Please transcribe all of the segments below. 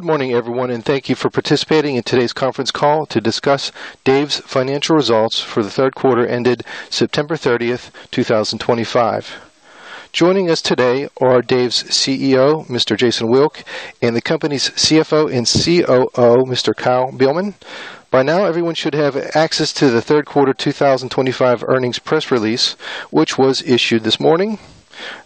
Good morning, everyone, and thank you for participating in today's conference call to discuss Dave's financial results for the third quarter ended September 30th, 2025. Joining us today are Dave's CEO, Mr. Jason Wilk, and the company's CFO and COO, Mr. Kyle Beilman. By now, everyone should have access to the third quarter 2025 earnings press release, which was issued this morning.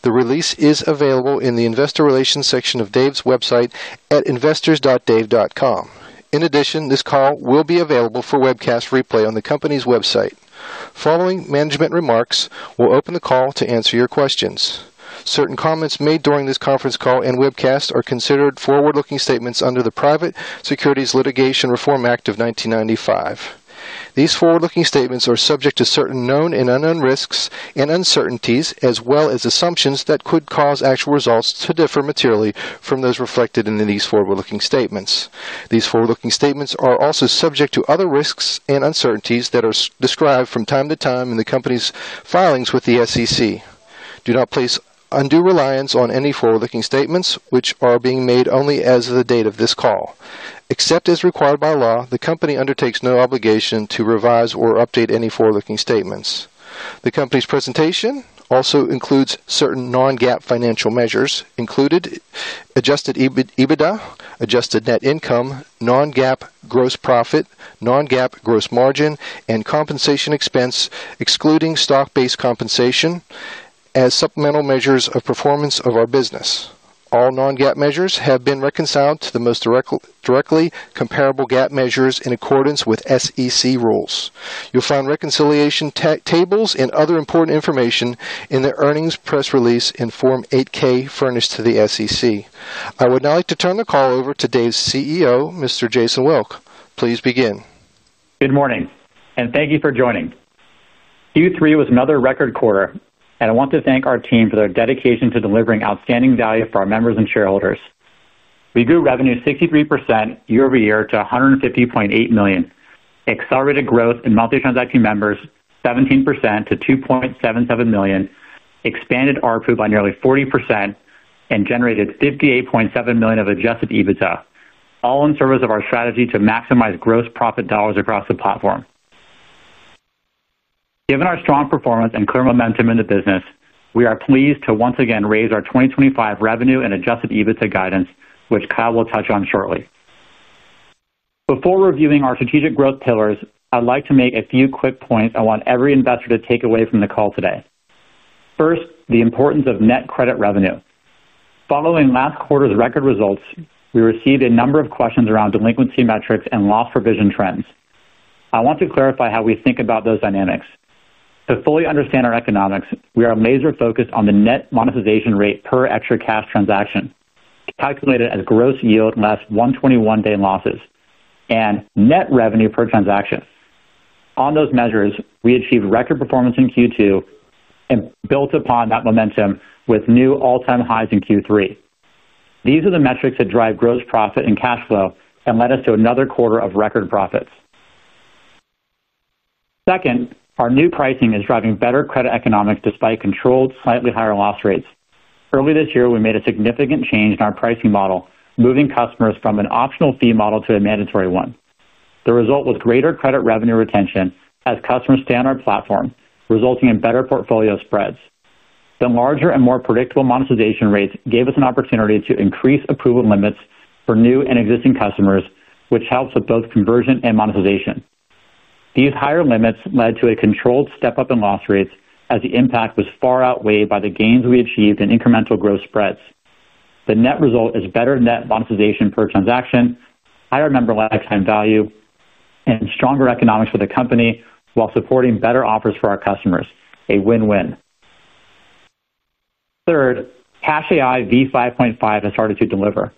The release is available in the investor relations section of Dave's website at investors.dave.com. In addition, this call will be available for webcast replay on the company's website. Following management remarks, we'll open the call to answer your questions. Certain comments made during this conference call and webcast are considered forward-looking statements under the Private Securities Litigation Reform Act of 1995. These forward-looking statements are subject to certain known and unknown risks and uncertainties, as well as assumptions that could cause actual results to differ materially from those reflected in these forward-looking statements. These forward-looking statements are also subject to other risks and uncertainties that are described from time to time in the company's filings with the SEC. Do not place undue reliance on any forward-looking statements, which are being made only as of the date of this call. Except as required by law, the company undertakes no obligation to revise or update any forward-looking statements. The company's presentation also includes certain non-GAAP financial measures, including adjusted EBITDA, adjusted net income, non-GAAP gross profit, non-GAAP gross margin, and compensation expense, excluding stock-based compensation, as supplemental measures of performance of our business. All non-GAAP measures have been reconciled to the most directly comparable GAAP measures in accordance with SEC rules. You'll find reconciliation tables and other important information in the earnings press release in Form 8K furnished to the SEC. I would now like to turn the call over to Dave's CEO, Mr. Jason Wilk. Please begin. Good morning, and thank you for joining. Q3 was another record quarter, and I want to thank our team for their dedication to delivering outstanding value for our members and shareholders. We grew revenue 63% year-over-year to $150.8 million, accelerated growth in monthly transacting members 17% to 2.77 million, expanded ARPU by nearly 40%, and generated $58.7 million of adjusted EBITDA, all in service of our strategy to maximize gross profit dollars across the platform. Given our strong performance and clear momentum in the business, we are pleased to once again raise our 2025 revenue and adjusted EBITDA guidance, which Kyle will touch on shortly. Before reviewing our strategic growth pillars, I'd like to make a few quick points I want every investor to take away from the call today. First, the importance of net credit revenue. Following last quarter's record results, we received a number of questions around delinquency metrics and loss provision trends. I want to clarify how we think about those dynamics. To fully understand our economics, we are laser-focused on the net monetization rate per ExtraCash transaction, calculated as gross yield less 121-day losses, and net revenue per transaction. On those measures, we achieved record performance in Q2 and built upon that momentum with new all-time highs in Q3. These are the metrics that drive gross profit and cash flow and led us to another quarter of record profits. Second, our new pricing is driving better credit economics despite controlled, slightly higher loss rates. Early this year, we made a significant change in our pricing model, moving customers from an optional fee model to a mandatory one. The result was greater credit revenue retention as customers stay on our platform, resulting in better portfolio spreads. The larger and more predictable monetization rates gave us an opportunity to increase approval limits for new and existing customers, which helps with both conversion and monetization. These higher limits led to a controlled step-up in loss rates, as the impact was far outweighed by the gains we achieved in incremental growth spreads. The net result is better net monetization per transaction, higher member lifetime value, and stronger economics for the company while supporting better offers for our customers, a win-win. Third, CacheAI v5.5 has started to deliver.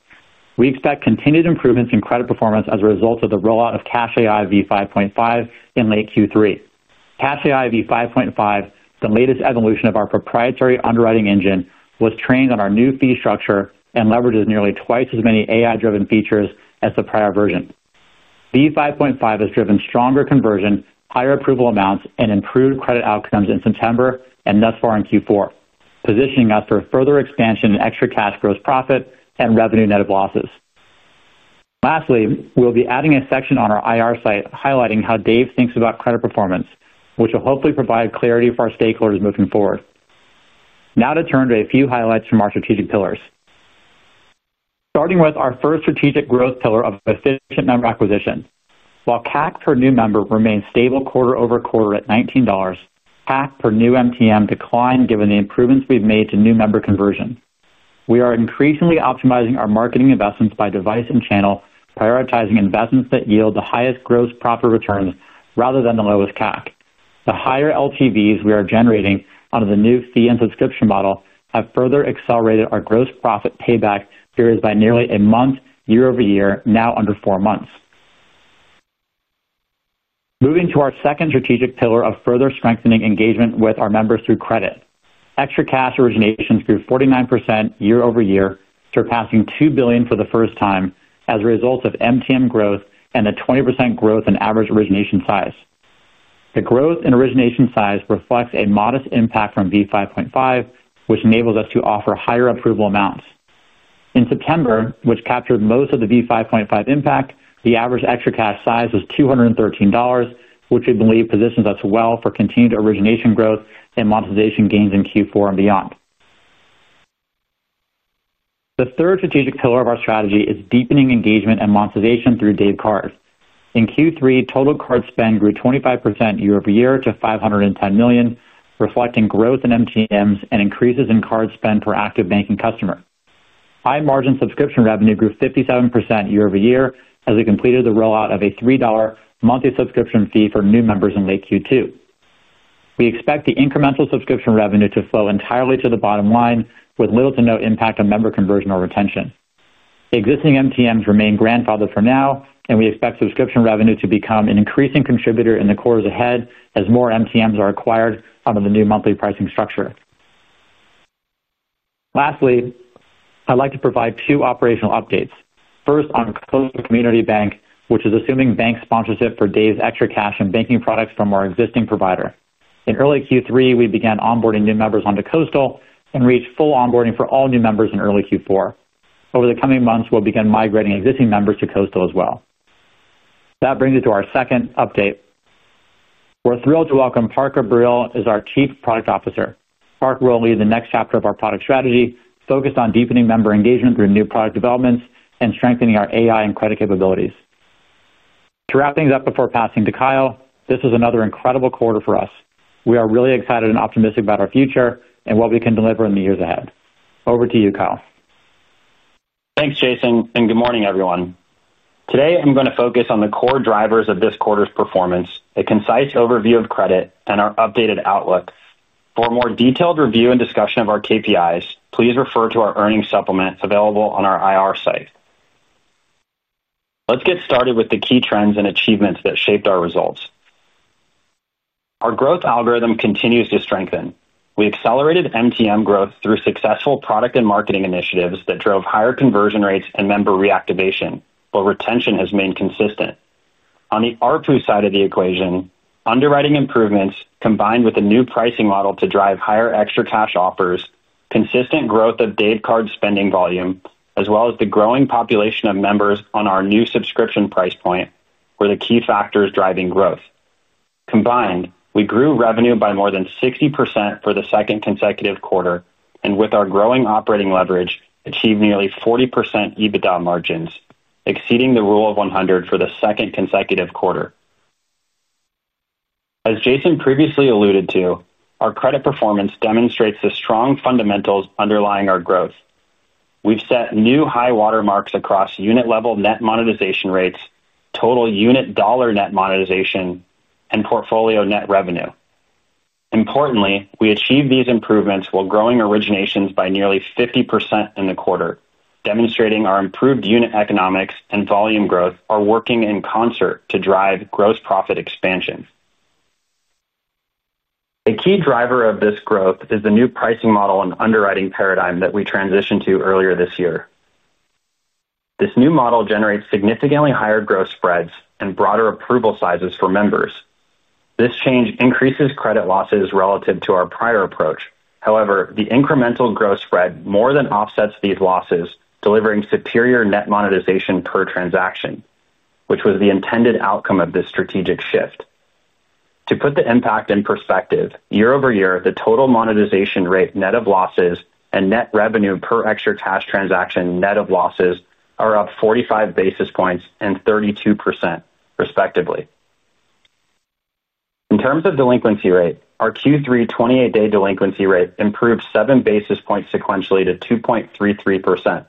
We expect continued improvements in credit performance as a result of the rollout of CacheAI v5.5 in late Q3. CacheAI v5.5, the latest evolution of our proprietary underwriting engine, was trained on our new fee structure and leverages nearly twice as many AI-driven features as the prior version. v5.5 has driven stronger conversion, higher approval amounts, and improved credit outcomes in September and thus far in Q4, positioning us for further expansion in ExtraCash, gross profit, and revenue net of losses. Lastly, we'll be adding a section on our IR site highlighting how Dave thinks about credit performance, which will hopefully provide clarity for our stakeholders moving forward. Now to turn to a few highlights from our strategic pillars. Starting with our first strategic growth pillar of efficient member acquisition. While CAC per new member remains stable quarter over quarter at $19, CAC per new MTM declined given the improvements we've made to new member conversion. We are increasingly optimizing our marketing investments by device and channel, prioritizing investments that yield the highest gross profit returns rather than the lowest CAC. The higher LTVs we are generating under the new fee and subscription model have further accelerated our gross profit payback periods by nearly a month year-over-year, now under four months. Moving to our second strategic pillar of further strengthening engagement with our members through credit. ExtraCash origination grew 49% year-over-year, surpassing $2 billion for the first time as a result of MTM growth and a 20% growth in average origination size. The growth in origination size reflects a modest impact from CacheAI v5.5, which enables us to offer higher approval amounts. In September, which captured most of the CacheAI v5.5 impact, the average ExtraCash size was $213, which we believe positions us well for continued origination growth and monetization gains in Q4 and beyond. The third strategic pillar of our strategy is deepening engagement and monetization through Dave cards. In Q3, total card spend grew 25% year-over-year to $510 million, reflecting growth in MTMs and increases in card spend per active banking customer. High-margin subscription revenue grew 57% year-over-year as we completed the rollout of a $3 monthly subscription fee for new members in late Q2. We expect the incremental subscription revenue to flow entirely to the bottom line with little to no impact on member conversion or retention. Existing MTMs remain grandfathered for now, and we expect subscription revenue to become an increasing contributor in the quarters ahead as more MTMs are acquired under the new monthly pricing structure. Lastly, I'd like to provide two operational updates. First, on Coastal Community Bank, which is assuming bank sponsorship for Dave's ExtraCash and banking products from our existing provider. In early Q3, we began onboarding new members onto Coastal and reached full onboarding for all new members in early Q4. Over the coming months, we'll begin migrating existing members to Coastal as well. That brings us to our second update. We're thrilled to welcome Parker Burrell as our Chief Product Officer. Parker will lead the next chapter of our product strategy, focused on deepening member engagement through new product developments and strengthening our AI and credit capabilities. To wrap things up before passing to Kyle, this was another incredible quarter for us. We are really excited and optimistic about our future and what we can deliver in the years ahead. Over to you, Kyle. Thanks, Jason, and good morning, everyone. Today, I'm going to focus on the core drivers of this quarter's performance, a concise overview of credit, and our updated outlook. For a more detailed review and discussion of our KPIs, please refer to our earnings supplement available on our IR site. Let's get started with the key trends and achievements that shaped our results. Our growth algorithm continues to strengthen. We accelerated MTM growth through successful product and marketing initiatives that drove higher conversion rates and member reactivation, but retention has remained consistent. On the ARPU side of the equation, underwriting improvements combined with a new pricing model to drive higher ExtraCash offers, consistent growth of Dave card's spending volume, as well as the growing population of members on our new subscription price point, were the key factors driving growth. Combined, we grew revenue by more than 60% for the second consecutive quarter and, with our growing operating leverage, achieved nearly 40% EBITDA margins, exceeding the rule of 100% for the second consecutive quarter. As Jason previously alluded to, our credit performance demonstrates the strong fundamentals underlying our growth. We've set new high-water marks across unit-level net monetization rates, total unit dollar net monetization, and portfolio net revenue. Importantly, we achieved these improvements while growing originations by nearly 50% in the quarter, demonstrating our improved unit economics and volume growth are working in concert to drive gross profit expansion. A key driver of this growth is the new pricing model and underwriting paradigm that we transitioned to earlier this year. This new model generates significantly higher gross spreads and broader approval sizes for members. This change increases credit losses relative to our prior approach. However, the incremental gross spread more than offsets these losses, delivering superior net monetization per transaction, which was the intended outcome of this strategic shift. To put the impact in perspective, year-over-year, the total monetization rate net of losses and net revenue per ExtraCash transaction net of losses are up 45 basis points and 32%, respectively. In terms of delinquency rate, our Q3 28-day delinquency rate improved seven basis points sequentially to 2.33%.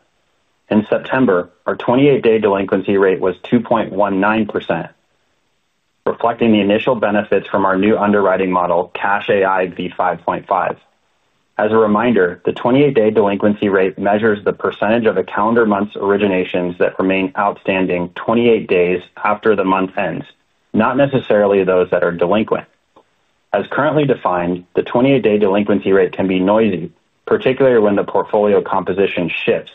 In September, our 28-day delinquency rate was 2.19%. Reflecting the initial benefits from our new underwriting model, CacheAI v5.5. As a reminder, the 28-day delinquency rate measures the percentage of a calendar month's originations that remain outstanding 28 days after the month ends, not necessarily those that are delinquent. As currently defined, the 28-day delinquency rate can be noisy, particularly when the portfolio composition shifts.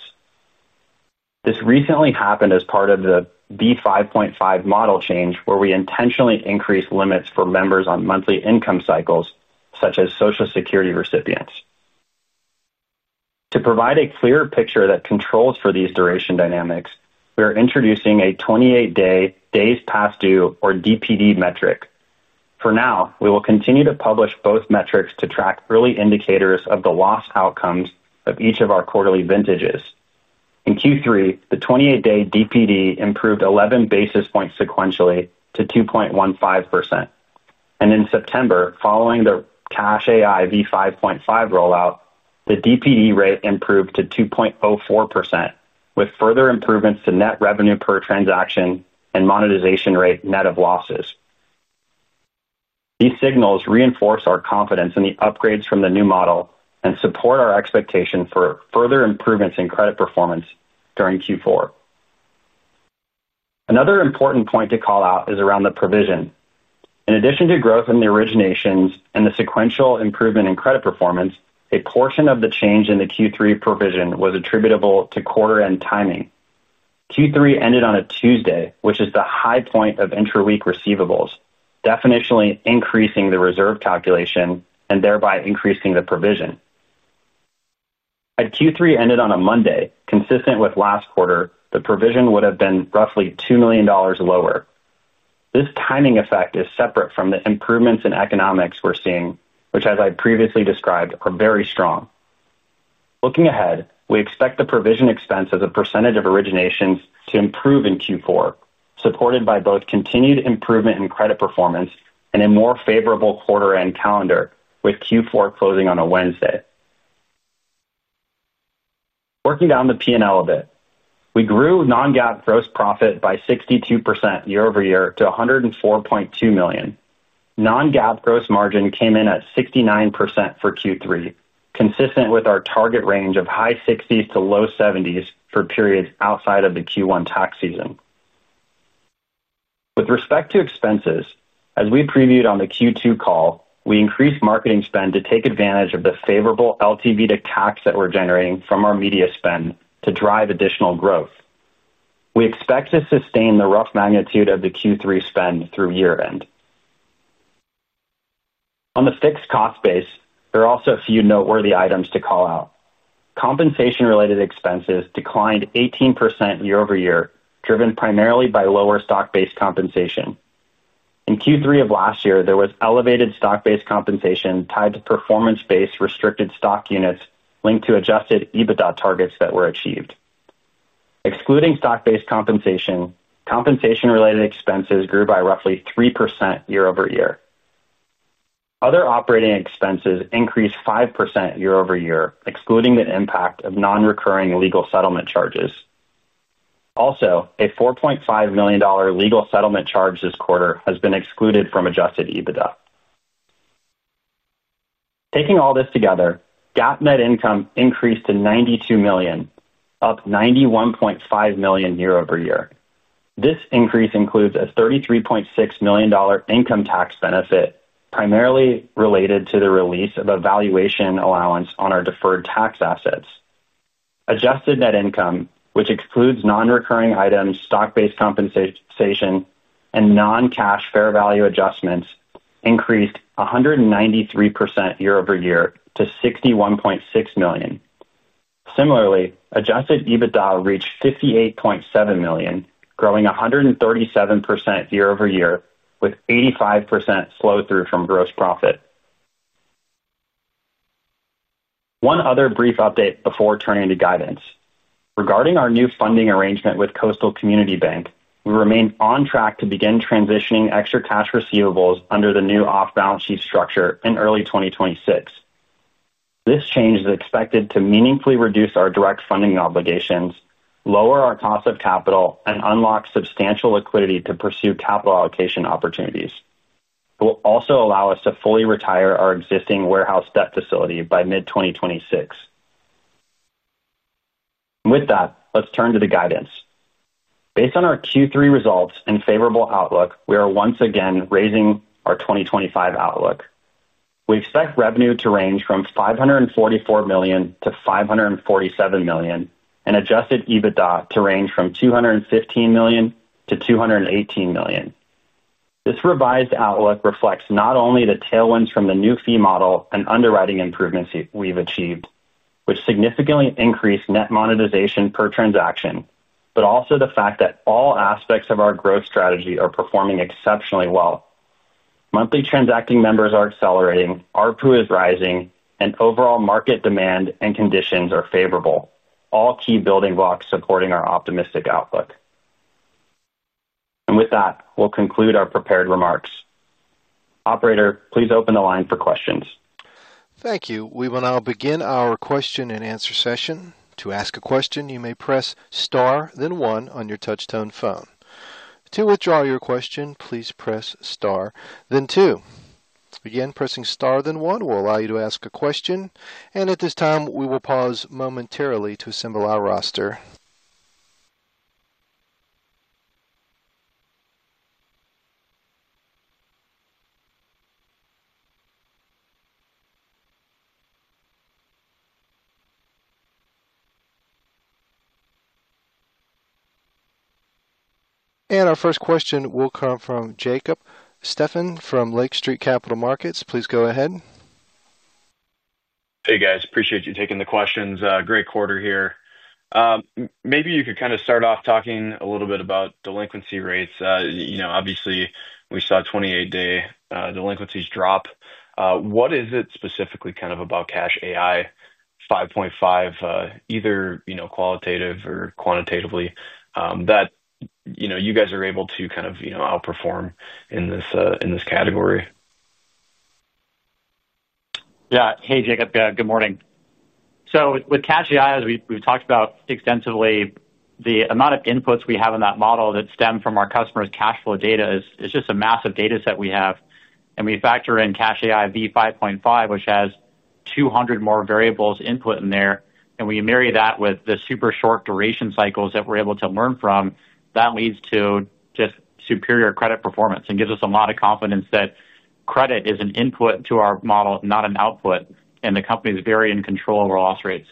This recently happened as part of the v5.5 model change, where we intentionally increased limits for members on monthly income cycles, such as Social Security recipients. To provide a clearer picture that controls for these duration dynamics, we are introducing a 28-day days past due or DPD metric. For now, we will continue to publish both metrics to track early indicators of the loss outcomes of each of our quarterly vintages. In Q3, the 28-day DPD improved 11 basis points sequentially to 2.15%. In September, following the CacheAI v5.5 rollout, the DPD rate improved to 2.04%, with further improvements to net revenue per transaction and monetization rate net of losses. These signals reinforce our confidence in the upgrades from the new model and support our expectation for further improvements in credit performance during Q4. Another important point to call out is around the provision. In addition to growth in the originations and the sequential improvement in credit performance, a portion of the change in the Q3 provision was attributable to quarter-end timing. Q3 ended on a Tuesday, which is the high point of intra-week receivables, definitionally increasing the reserve calculation and thereby increasing the provision. Had Q3 ended on a Monday, consistent with last quarter, the provision would have been roughly $2 million lower. This timing effect is separate from the improvements in economics we're seeing, which, as I previously described, are very strong. Looking ahead, we expect the provision expense as a percentage of originations to improve in Q4, supported by both continued improvement in credit performance and a more favorable quarter-end calendar, with Q4 closing on a Wednesday. Working down the P&L a bit, we grew non-GAAP gross profit by 62% year-over-year to $104.2 million. Non-GAAP gross margin came in at 69% for Q3, consistent with our target range of high 60s-percent to low 70s-percent for periods outside of the Q1 tax season. With respect to expenses, as we previewed on the Q2 call, we increased marketing spend to take advantage of the favorable LTV to CACs that we're generating from our media spend to drive additional growth. We expect to sustain the rough magnitude of the Q3 spend through year-end. On the fixed cost base, there are also a few noteworthy items to call out. Compensation-related expenses declined 18% year-over-year, driven primarily by lower stock-based compensation. In Q3 of last year, there was elevated stock-based compensation tied to performance-based restricted stock units linked to adjusted EBITDA targets that were achieved. Excluding stock-based compensation, compensation-related expenses grew by roughly 3% year-over-year. Other operating expenses increased 5% year-over-year, excluding the impact of non-recurring legal settlement charges. Also, a $4.5 million legal settlement charge this quarter has been excluded from adjusted EBITDA. Taking all this together, GAAP net income increased to $92 million, up $91.5 million year-over-year. This increase includes a $33.6 million income tax benefit, primarily related to the release of a valuation allowance on our deferred tax assets. Adjusted net income, which excludes non-recurring items, stock-based compensation, and non-cash fair value adjustments, increased 193% year-over-year to $61.6 million. Similarly, adjusted EBITDA reached $58.7 million, growing 137% year-over-year, with 85% flow-through from gross profit. One other brief update before turning to guidance. Regarding our new funding arrangement with Coastal Community Bank, we remain on track to begin transitioning ExtraCash receivables under the new off-balance sheet structure in early 2026. This change is expected to meaningfully reduce our direct funding obligations, lower our cost of capital, and unlock substantial liquidity to pursue capital allocation opportunities. It will also allow us to fully retire our existing warehouse debt facility by mid-2026. With that, let's turn to the guidance. Based on our Q3 results and favorable outlook, we are once again raising our 2025 outlook. We expect revenue to range from $544 million-$547 million and adjusted EBITDA to range from $215 million-$218 million. This revised outlook reflects not only the tailwinds from the new fee model and underwriting improvements we've achieved, which significantly increased net monetization per transaction, but also the fact that all aspects of our growth strategy are performing exceptionally well. Monthly transacting members are accelerating, ARPU is rising, and overall market demand and conditions are favorable, all key building blocks supporting our optimistic outlook. With that, we'll conclude our prepared remarks. Operator, please open the line for questions. Thank you. We will now begin our question and answer session. To ask a question, you may press star, then one on your touch-tone phone. To withdraw your question, please press star, then two. To begin pressing star, then one will allow you to ask a question. At this time, we will pause momentarily to assemble our roster. Our first question will come from Jacob Stefan from Lake Street Capital Markets. Please go ahead. Hey, guys. Appreciate you taking the questions. Great quarter here. Maybe you could kind of start off talking a little bit about delinquency rates. Obviously, we saw 28-day delinquencies drop. What is it specifically kind of about CacheAI v5.5, either qualitative or quantitatively, that you guys are able to kind of outperform in this category? Yeah. Hey, Jacob. Good morning. With Cache AI, as we've talked about extensively, the amount of inputs we have in that model that stem from our customers' cash flow data is just a massive data set we have. We factor in CacheAI v5.5, which has 200 more variables input in there. When you marry that with the super short duration cycles that we're able to learn from, that leads to just superior credit performance and gives us a lot of confidence that credit is an input to our model, not an output, and the company is very in control of our loss rates.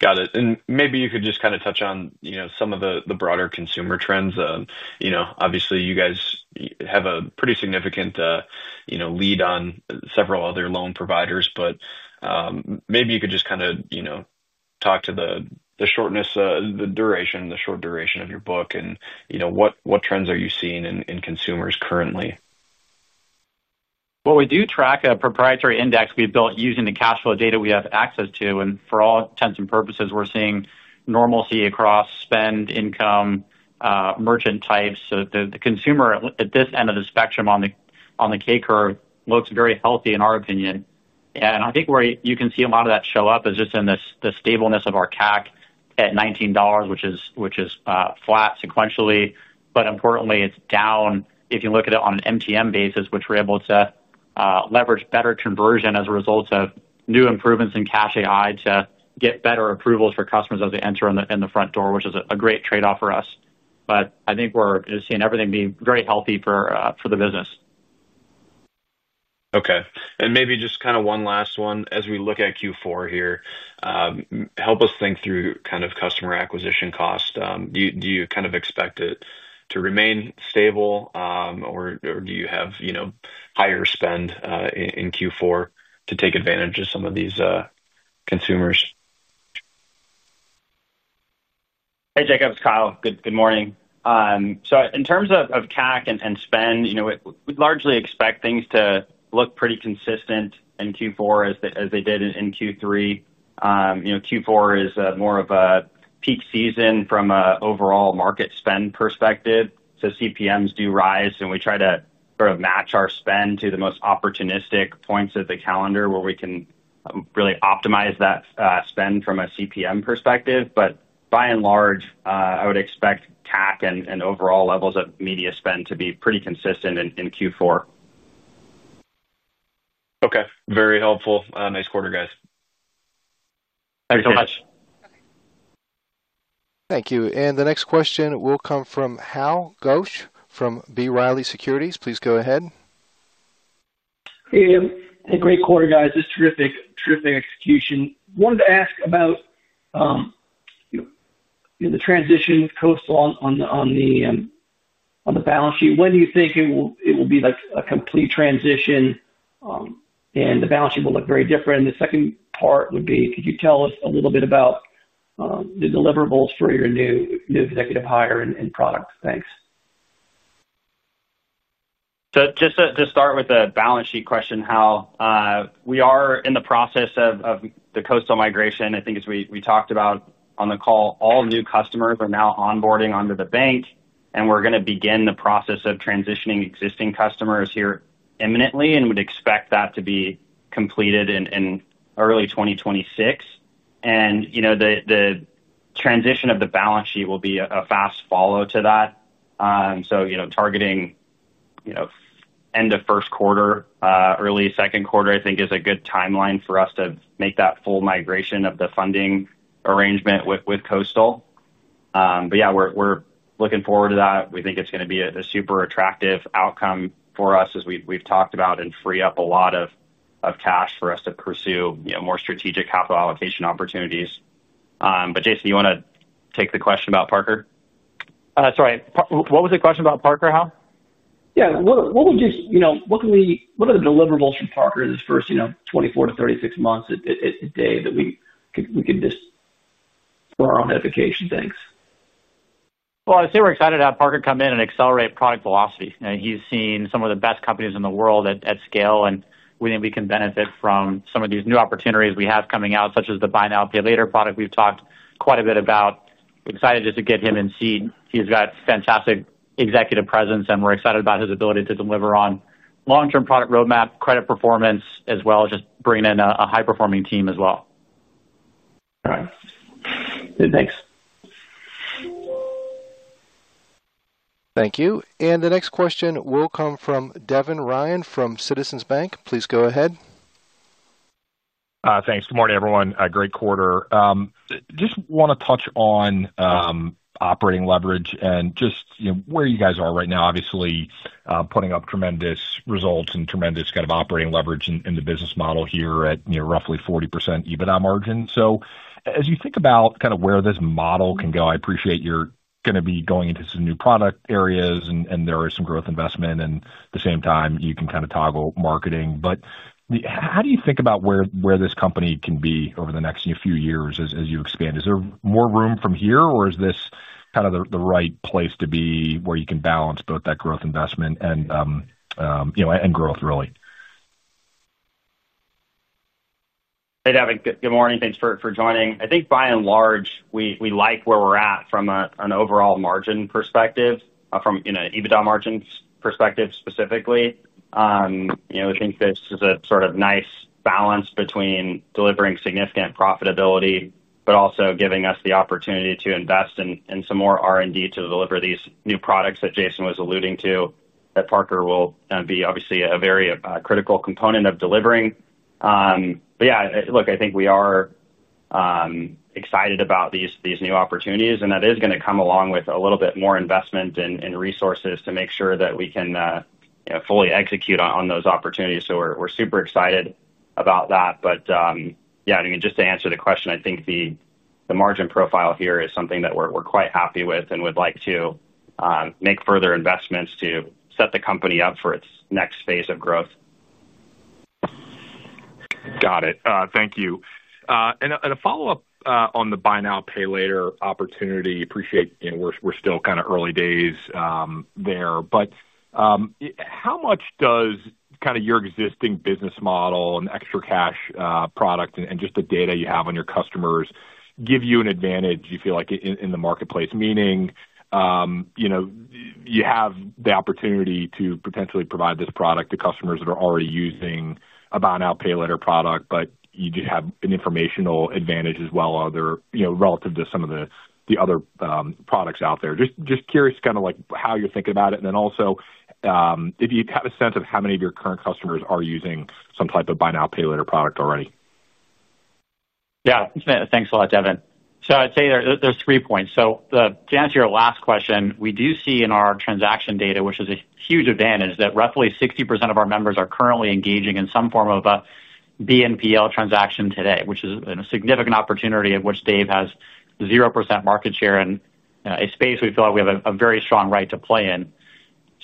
Got it. Maybe you could just kind of touch on some of the broader consumer trends. Obviously, you guys have a pretty significant lead on several other loan providers. Maybe you could just kind of talk to the shortness, the duration, the short duration of your book, and what trends are you seeing in consumers currently? We do track a proprietary index we built using the cash flow data we have access to. And for all intents and purposes, we're seeing normalcy across spend, income, merchant types. So the consumer at this end of the spectrum on the K-curve looks very healthy, in our opinion. And I think where you can see a lot of that show up is just in the stableness of our CAC at $19, which is flat sequentially. But importantly, it's down if you look at it on an MTM basis, which we're able to leverage better conversion as a result of new improvements in CacheAI to get better approvals for customers as they enter in the front door, which is a great trade-off for us. But I think we're seeing everything be very healthy for the business. Okay. Maybe just kind of one last one. As we look at Q4 here. Help us think through kind of customer acquisition cost. Do you kind of expect it to remain stable, or do you have higher spend in Q4 to take advantage of some of these consumers? Hey, Jacob. It's Kyle. Good morning. In terms of CAC and spend, we'd largely expect things to look pretty consistent in Q4 as they did in Q3. Q4 is more of a peak season from an overall market spend perspective. CPMs do rise, and we try to sort of match our spend to the most opportunistic points of the calendar where we can really optimize that spend from a CPM perspective. But by and large, I would expect CAC and overall levels of media spend to be pretty consistent in Q4. Okay. Very helpful. Nice quarter, guys. Thank you so much. Thank you. The next question will come from HAL GOETSCH from B. Riley Securities. Please go ahead. Hey, Dave. A great quarter, guys. It's terrific execution. Wanted to ask about the transition, Coastal, on the balance sheet. When do you think it will be a complete transition and the balance sheet will look very different? The second part would be, could you tell us a little bit about the deliverables for your new executive hire and product? Thanks. Just to start with the balance sheet question, Hal, we are in the process of the Coastal migration. I think as we talked about on the call, all new customers are now onboarding onto the bank and we're going to begin the process of transitioning existing customers here imminently and would expect that to be completed in early 2026. And the transition of the balance sheet will be a fast follow to that. Targeting end of first quarter, early second quarter, I think, is a good timeline for us to make that full migration of the funding arrangement with Coastal. But yeah, we're looking forward to that. We think it's going to be a super attractive outcome for us, as we've talked about, and free up a lot of cash for us to pursue more strategic capital allocation opportunities. But Jason, you want to take the question about Parker? Sorry. What was the question about Parker, Hal? Yeah. What are the deliverables for Parker in this first 24-36 months that we could just. For our own edification? Thanks. I would say we're excited to have Parker come in and accelerate product velocity. He's seen some of the best companies in the world at scale, and we think we can benefit from some of these new opportunities we have coming out, such as the Buy Now, Pay Later product we've talked quite a bit about. Excited just to get him in seat. He's got fantastic executive presence, and we're excited about his ability to deliver on long-term product roadmap, credit performance, as well as just bringing in a high-performing team as well. All right. Good, thanks. Thank you. The next question will come from Devin Ryan from Citizens. Please go ahead. Thanks. Good morning, everyone. Great quarter. Just want to touch on operating leverage and just where you guys are right now. Obviously, putting up tremendous results and tremendous kind of operating leverage in the business model here at roughly 40% EBITDA margin. As you think about kind of where this model can go, I appreciate you're going to be going into some new product areas, and there is some growth investment. At the same time, you can kind of toggle marketing. How do you think about where this company can be over the next few years as you expand? Is there more room from here, or is this kind of the right place to be where you can balance both that growth investment and growth, really? Hey, Devin. Good morning. Thanks for joining. I think, by and large, we like where we're at from an overall margin perspective, from an EBITDA margin perspective specifically. I think this is a sort of nice balance between delivering significant profitability but also giving us the opportunity to invest in some more R&D to deliver these new products that Jason was alluding to that Parker will be obviously a very critical component of delivering. Yeah, look, I think we are excited about these new opportunities. That is going to come along with a little bit more investment and resources to make sure that we can fully execute on those opportunities. So we're super excited about that. Yeah, I mean, just to answer the question, I think the margin profile here is something that we're quite happy with and would like to make further investments to set the company up for its next phase of growth. Got it. Thank you. And a follow-up on the Buy Now, Pay Later opportunity. Appreciate we're still kind of early days there. How much does kind of your existing business model and ExtraCash product and just the data you have on your customers give you an advantage, you feel like, in the marketplace? Meaning you have the opportunity to potentially provide this product to customers that are already using a Buy Now, Pay Later product, but you do have an informational advantage as well relative to some of the other products out there. Just curious kind of how you're thinking about it. And then also, if you have a sense of how many of your current customers are using some type of Buy Now, Pay Later product already. Yeah. Thanks a lot, Devin. I'd say there's three points. To answer your last question, we do see in our transaction data, which is a huge advantage, that roughly 60% of our members are currently engaging in some form of a BNPL transaction today, which is a significant opportunity of which Dave has 0% market share in a space we feel like we have a very strong right to play in.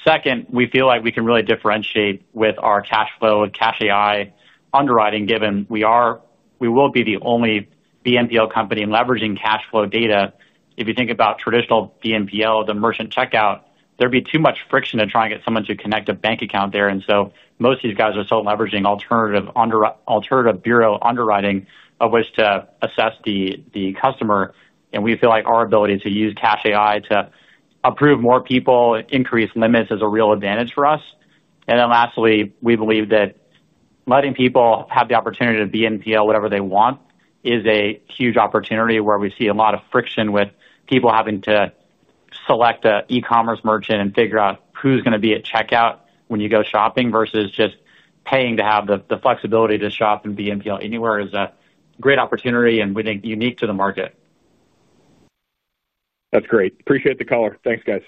Second, we feel like we can really differentiate with our cash flow and CacheAI underwriting, given we will be the only BNPL company leveraging cash flow data. If you think about traditional BNPL, the merchant checkout, there'd be too much friction to try and get someone to connect a bank account there. Most of these guys are still leveraging alternative bureau underwriting of which to assess the customer. We feel like our ability to use CacheAI to approve more people, increase limits, is a real advantage for us. Lastly, we believe that letting people have the opportunity to BNPL whatever they want is a huge opportunity where we see a lot of friction with people having to select an e-commerce merchant and figure out who's going to be at checkout when you go shopping versus just paying to have the flexibility to shop and BNPL anywhere is a great opportunity and, we think, unique to the market. That's great. Appreciate the caller. Thanks, guys.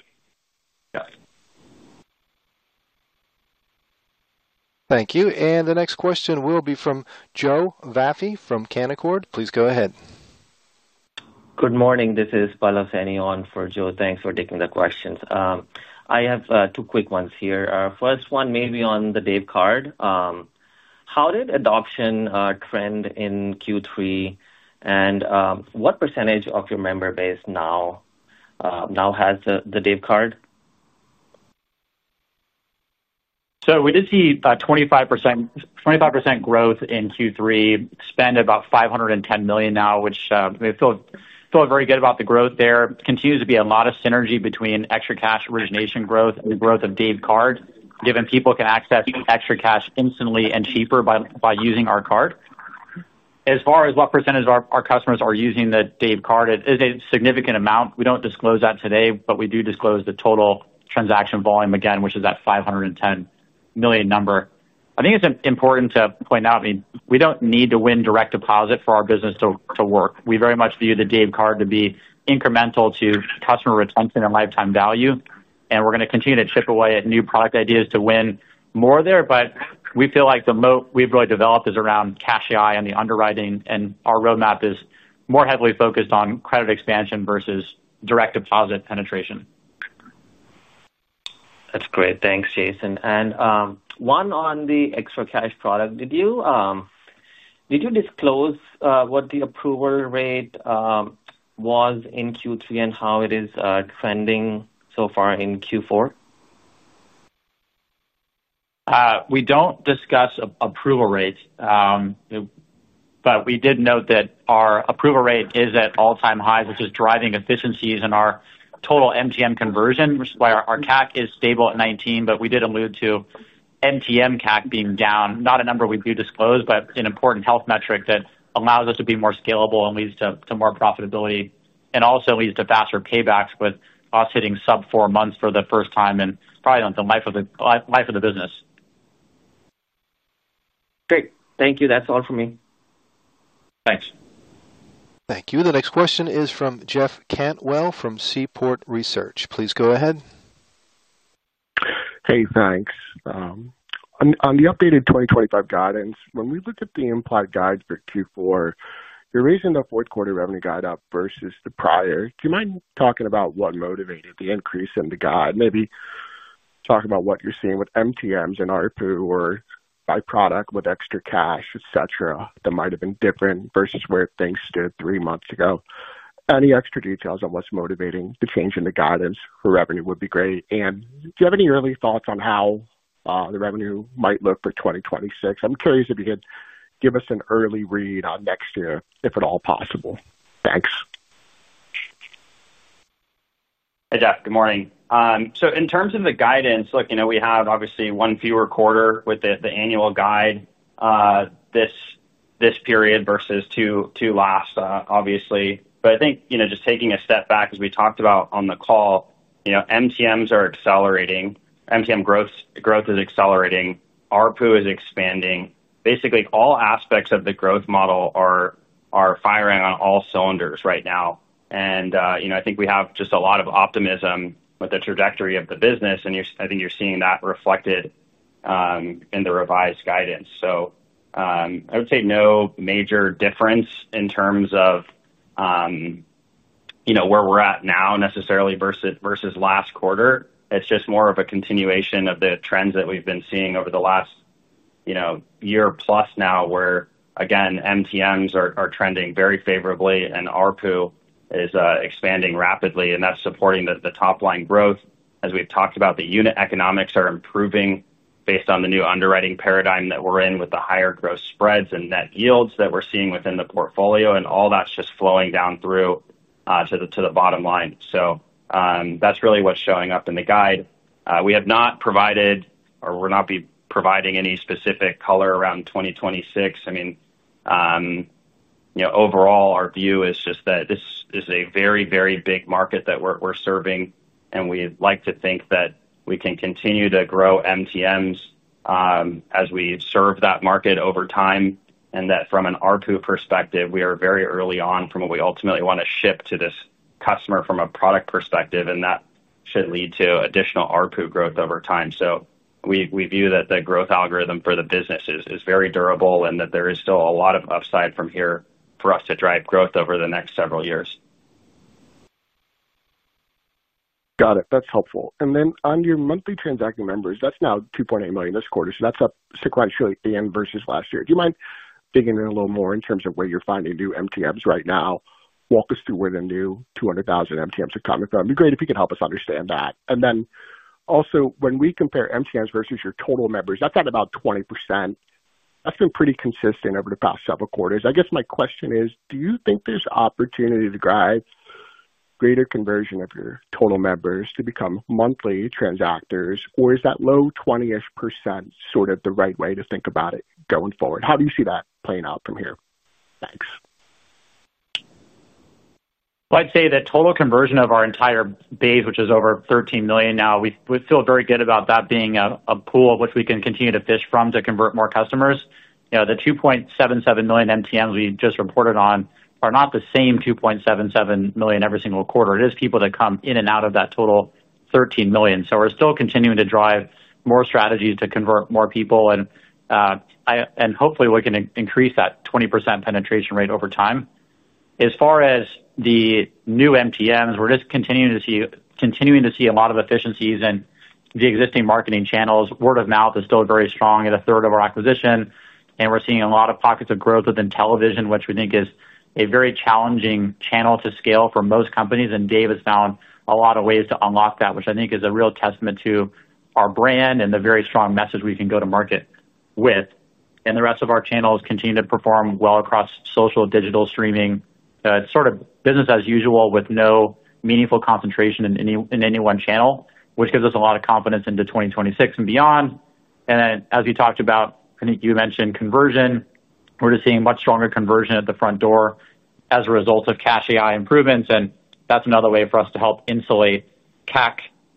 Yes. Thank you. The next question will be from Joe Vaffe from Canaccord. Please go ahead. Good morning. This is Paul Simons for Joe. Thanks for taking the questions. I have two quick ones here. First one may be on the Dave card. How did adoption trend in Q3, and what percentage of your member base now has the Dave card? We did see 25% growth in Q3, spend about $510 million now, which we feel very good about the growth there. Continues to be a lot of synergy between ExtraCash origination growth and the growth of Dave card, given people can access ExtraCash instantly and cheaper by using our card. As far as what percentage of our customers are using the Dave card, it is a significant amount. We don't disclose that today, but we do disclose the total transaction volume, again, which is that $510 million number. I think it's important to point out, I mean, we don't need to win direct deposit for our business to work. We very much view the Dave card to be incremental to customer retention and lifetime value. And we're going to continue to chip away at new product ideas to win more there. But we feel like the moat we've really developed is around Cache AI and the underwriting and our roadmap is more heavily focused on credit expansion versus direct deposit penetration. That's great. Thanks, Jason. One on the ExtraCash product. Did you disclose what the approval rate was in Q3 and how it is trending so far in Q4? We don't discuss approval rates but we did note that our approval rate is at all-time highs, which is driving efficiencies in our total MTM conversion, which is why our CAC is stable at $19. But we did allude to MTM CAC being down, not a number we do disclose, but an important health metric that allows us to be more scalable and leads to more profitability and also leads to faster paybacks with us hitting sub-four months for the first time in probably the life of the business. Great. Thank you. That's all from me. Thanks. Thank you. The next question is from Jeff Cantwell from Seaport Research. Please go ahead. Hey, thanks. On the updated 2025 guidance, when we look at the implied guides for Q4, you're raising the fourth-quarter revenue guide up versus the prior. Do you mind talking about what motivated the increase in the guide? Maybe talk about what you're seeing with MTMs and ARPU or by product with ExtraCash, etc., that might have been different versus where things stood three months ago. Any extra details on what's motivating the change in the guidance for revenue would be great. And do you have any early thoughts on how the revenue might look for 2026? I'm curious if you could give us an early read on next year, if at all possible. Thanks. Hey, Jeff. Good morning. In terms of the guidance, look, we have obviously one fewer quarter with the annual guide this period versus two last, obviously. But I think just taking a step back, as we talked about on the call, MTMs are accelerating. MTM growth is accelerating, ARPU is expanding. Basically, all aspects of the growth model are firing on all cylinders right now. I think we have just a lot of optimism with the trajectory of the business. I think you're seeing that reflected in the revised guidance. I would say no major difference in terms of where we're at now necessarily versus last quarter. It's just more of a continuation of the trends that we've been seeing over the last year plus now, where, again, MTMs are trending very favorably, and ARPU is expanding rapidly. That's supporting the top-line growth. As we've talked about, the unit economics are improving based on the new underwriting paradigm that we're in with the higher growth spreads and net yields that we're seeing within the portfolio. All that's just flowing down through to the bottom line. That's really what's showing up in the guide. We have not provided, or we're not providing any specific color around 2026. I mean, overall, our view is just that this is a very, very big market that we're serving. We'd like to think that we can continue to grow MTMs as we serve that market over time. From an ARPU perspective, we are very early on from what we ultimately want to ship to this customer from a product perspective. That should lead to additional ARPU growth over time. We view that the growth algorithm for the business is very durable and that there is still a lot of upside from here for us to drive growth over the next several years. Got it. That's helpful. Then on your monthly transacting members, that's now 2.8 million this quarter. So that's up quite a bit versus last year. Do you mind digging in a little more in terms of where you're finding new MTMs right now? Walk us through where the new 200,000 MTMs are coming from. It'd be great if you could help us understand that. Then also, when we compare MTMs versus your total members, that's at about 20%. That's been pretty consistent over the past several quarters. I guess my question is, do you think there's opportunity to drive greater conversion of your total members to become monthly transactors, or is that low 20-ish percent sort of the right way to think about it going forward? How do you see that playing out from here? Thanks. I'd say the total conversion of our entire base, which is over 13 million now, we feel very good about that being a pool of which we can continue to fish from to convert more customers. The 2.77 million MTMs we just reported on are not the same 2.77 million every single quarter. It is people that come in and out of that total 13 million. So we're still continuing to drive more strategies to convert more people. Hopefully, we can increase that 20% penetration rate over time. As far as the new MTMs, we're just continuing to see a lot of efficiencies in the existing marketing channels. Word of mouth is still very strong at a third of our acquisition. We're seeing a lot of pockets of growth within television, which we think is a very challenging channel to scale for most companies. Dave has found a lot of ways to unlock that, which I think is a real testament to our brand and the very strong message we can go to market with. The rest of our channels continue to perform well across social, digital, streaming. It's sort of business as usual with no meaningful concentration in any one channel, which gives us a lot of confidence into 2026 and beyond. Then, as we talked about, I think you mentioned conversion. We're just seeing much stronger conversion at the front door as a result of CacheAI improvements. That's another way for us to help insulate CAC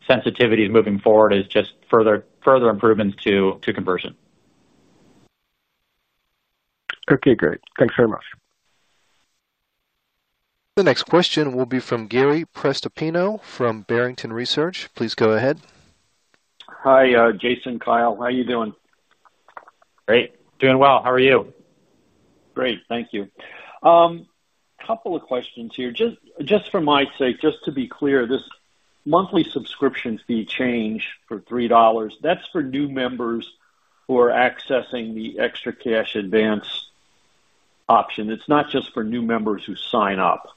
sensitivities moving forward is just further improvements to conversion. Okay, great. Thanks very much. The next question will be from Gary Prestopino from Barrington Research. Please go ahead. Hi, Jason, Kyle. How are you doing? Great. Doing well. How are you? Great. Thank you. A couple of questions here. Just for my sake, just to be clear, this monthly subscription fee change for $3, that's for new members who are accessing the ExtraCash advance option. It's not just for new members who sign up?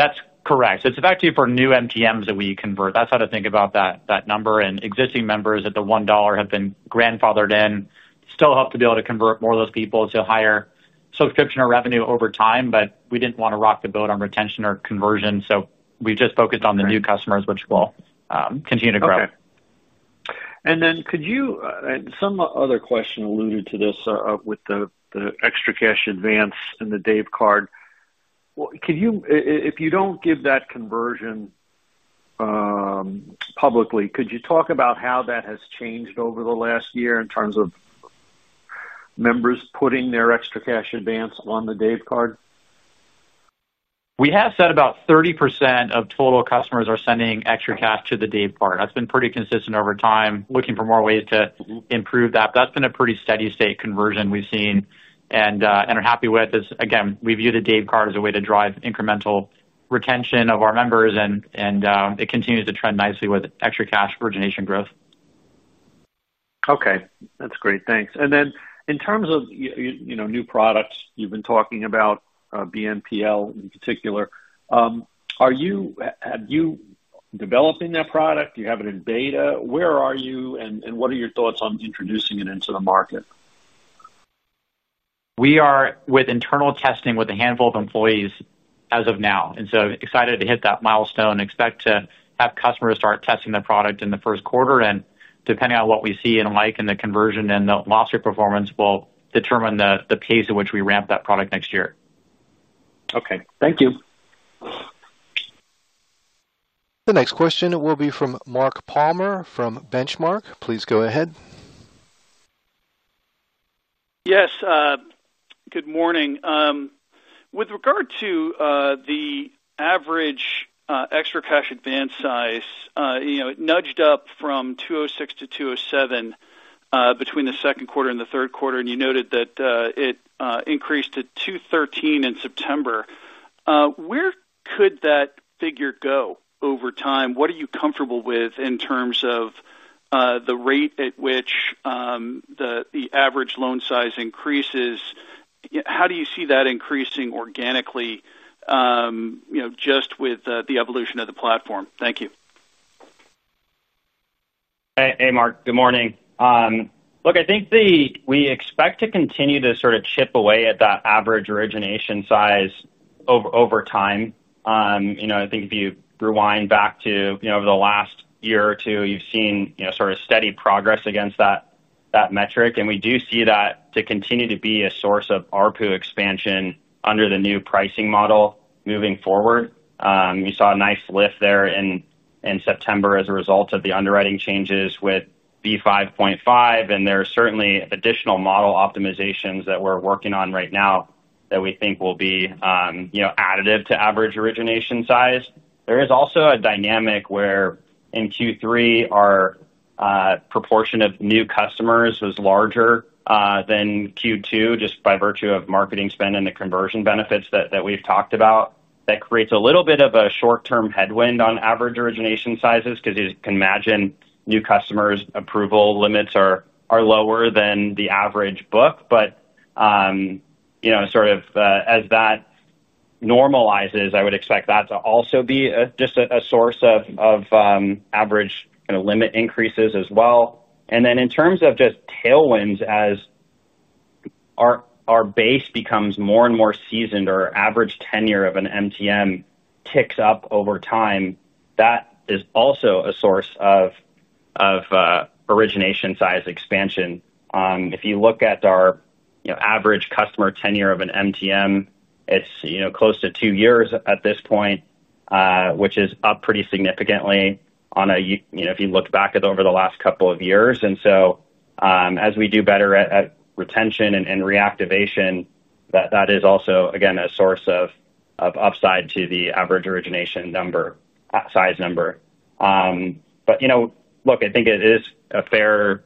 That's correct. It's actually for new MTMs that we convert. That's how to think about that number. Existing members at the $1 have been grandfathered in. Still hope to be able to convert more of those people to higher subscription or revenue over time, but we didn't want to rock the boat on retention or conversion. So we just focused on the new customers, which will continue to grow. Could you, some other question alluded to this with the ExtraCash advance and the Dave card, if you don't give that conversion publicly, could you talk about how that has changed over the last year in terms of members putting their ExtraCash advance on the Dave card? We have said about 30% of total customers are sending ExtraCash to the Dave card. That's been pretty consistent over time, looking for more ways to improve that. That's been a pretty steady-state conversion we've seen and are happy with. Again, we view the Dave card as a way to drive incremental retention of our members, and it continues to trend nicely with ExtraCash origination growth. Okay. That's great. Thanks. In terms of new products, you've been talking about BNPL in particular. Have you developed that product? Do you have it in beta? Where are you, and what are your thoughts on introducing it into the market? We are with internal testing with a handful of employees as of now. So excited to hit that milestone and expect to have customers start testing the product in the first quarter. Depending on what we see and like in the conversion and the loss rate performance will determine the pace at which we ramp that product next year. Okay. Thank you. The next question will be from Mark Palmer from Benchmark. Please go ahead. Yes. Good morning. With regard to the average ExtraCash advance size, it nudged up from $206 to $207 between the second quarter and the third quarter and you noted that it increased to $213 in September. Where could that figure go over time? What are you comfortable with in terms of the rate at which the average loan size increases? How do you see that increasing organically just with the evolution of the platform? Thank you. Hey, Mark. Good morning. Look, I think we expect to continue to sort of chip away at that average origination size over time. I think if you rewind back to over the last year or two, you've seen sort of steady progress against that metric. We do see that to continue to be a source of ARPU expansion under the new pricing model moving forward. We saw a nice lift there in September as a result of the underwriting changes with v5.5. There are certainly additional model optimizations that we're working on right now that we think will be additive to average origination size. There is also a dynamic where in Q3, our proportion of new customers was larger than Q2 just by virtue of marketing spend and the conversion benefits that we've talked about. That creates a little bit of a short-term headwind on average origination sizes because you can imagine new customers' approval limits are lower than the average book. Sort of as that normalizes, I would expect that to also be just a source of average kind of limit increases as well. In terms of just tailwinds, as our base becomes more and more seasoned or average tenure of an MTM ticks up over time, that is also a source of origination size expansion. If you look at our average customer tenure of an MTM, it's close to two years at this point, which is up pretty significantly if you look back over the last couple of years. As we do better at retention and reactivation, that is also, again, a source of upside to the average origination size number. Look, I think it is a fair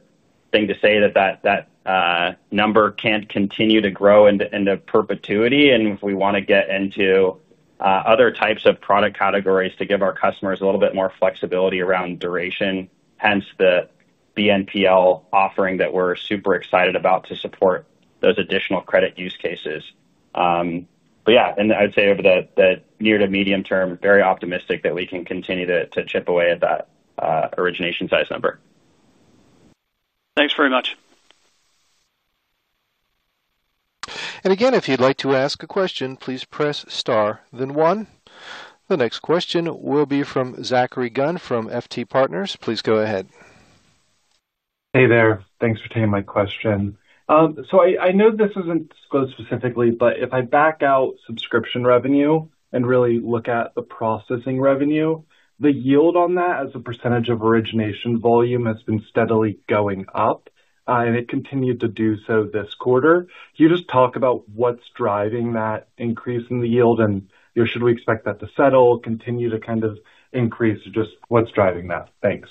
thing to say that that number can't continue to grow into perpetuity. If we want to get into other types of product categories to give our customers a little bit more flexibility around duration, hence the Buy Now, Pay Later offering that we're super excited about to support those additional credit use cases. Yeah, and I would say over the near to medium-term, very optimistic that we can continue to chip away at that origination size number. Thanks very much. Again, if you'd like to ask a question, please press star, then one. The next question will be from Zachary Gunn from FT Partners. Please go ahead. Hey there. Thanks for taking my question. I know this isn't disclosed specifically, but if I back out subscription revenue and really look at the processing revenue, the yield on that as a percentage of origination volume has been steadily going up. It continued to do so this quarter. Can you just talk about what's driving that increase in the yield? Should we expect that to settle, continue to kind of increase, or just what's driving that? Thanks.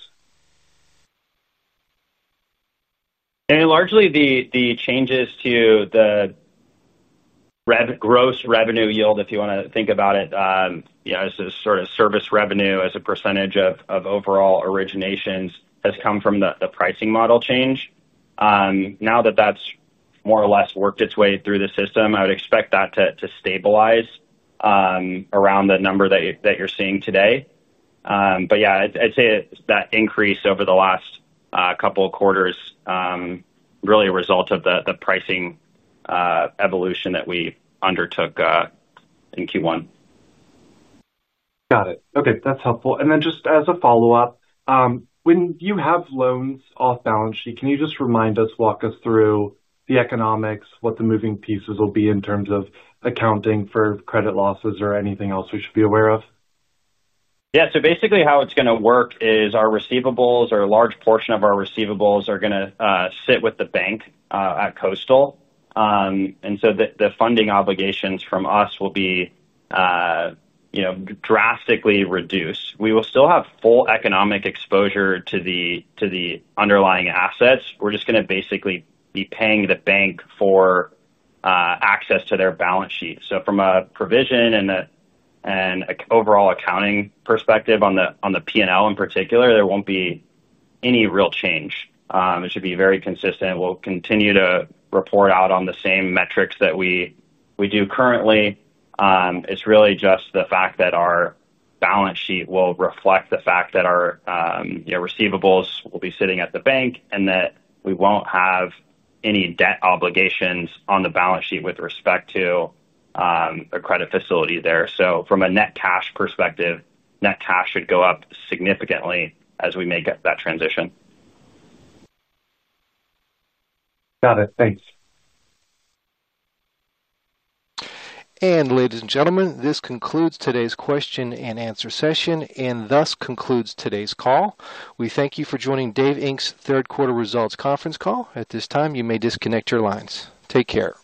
Largely, the changes to the gross revenue yield, if you want to think about it as sort of service revenue as a percentage of overall originations has come from the pricing model change. Now that that's more or less worked its way through the system, I would expect that to stabilize around the number that you're seeing today. But yeah, I'd say that increase over the last couple of quarters really a result of the pricing evolution that we undertook in Q1. Got it. Okay. That's helpful. And then just as a follow-up. When you have loans off balance sheet, can you just remind us, walk us through the economics, what the moving pieces will be in terms of accounting for credit losses or anything else we should be aware of? Yeah. So basically, how it's going to work is our receivables, or a large portion of our receivables, are going to sit with the bank at Coastal. And so the funding obligations from us will be drastically reduced. We will still have full economic exposure to the underlying assets. We're just going to basically be paying the bank for access to their balance sheet. So from a provision and an overall accounting perspective on the P&L in particular, there won't be any real change. It should be very consistent. We'll continue to report out on the same metrics that we do currently. It's really just the fact that our balance sheet will reflect the fact that our receivables will be sitting at the bank and that we won't have any debt obligations on the balance sheet with respect to a credit facility there. So from a net cash perspective, net cash should go up significantly as we make that transition. Got it. Thanks. Ladies and gentlemen, this concludes today's question-and-answer session and thus concludes today's call. We thank you for joining Dave's third quarter results conference call. At this time, you may disconnect your lines. Take care.